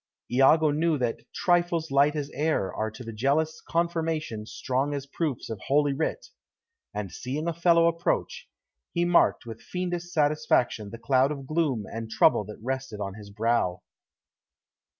Iago knew that "Trifles light as air are to the jealous confirmation strong as proofs of holy writ," and seeing Othello approach, he marked with fiendish satisfaction the cloud of gloom and trouble that rested on his brow.